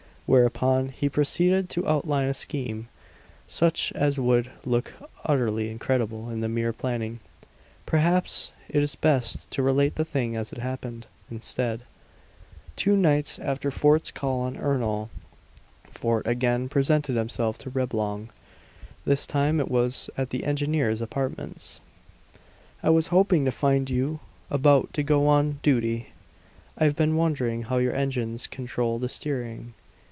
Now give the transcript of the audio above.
Whereupon he proceeded to outline a scheme such as would look utterly incredible in the mere planning. Perhaps it is best to relate the thing as it happened, instead. Two nights after Fort's call on Ernol, Fort again presented himself to Reblong. This time it was at the engineer's apartments. "I was hoping to find you about to go on duty. I've been wondering how your engines control the steering."